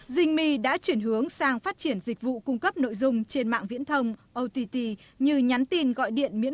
dinh mi đã chuyển hướng sang phát triển dịch vụ cung cấp nội dung trên mạng viễn thông ott như nhắn tin gọi điện miễn phí trên điện thoại di động